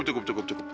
cukup cukup cukup